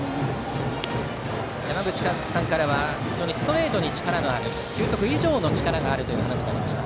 山口さんからは非常にストレートに力がある球速以上の力があるというお話がありました。